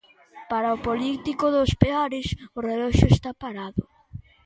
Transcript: Para o político dos Peares o reloxo está parado.